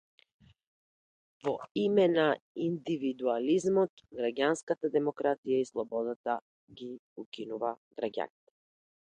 Во име на индивидуализмот, граѓанската демократија и слободата - ги укинува граѓаните.